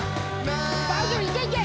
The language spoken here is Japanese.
大丈夫いけいけ！